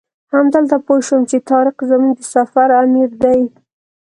همدلته پوی شوم چې طارق زموږ د سفر امیر دی.